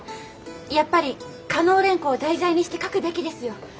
やっぱり嘉納蓮子を題材にして書くべきですよ。